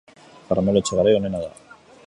karmelo etxegarai onena da